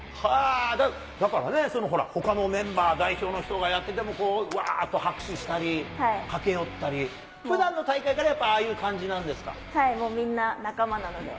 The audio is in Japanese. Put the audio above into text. だからね、ほかのメンバー代表の人がやっていても、うわーっと拍手したり駆け寄ったり、ふだんの大会から、ああいうはい、もうみんな仲間なので。